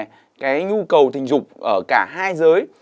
nó có nhu cầu tình dục ở cả hai giới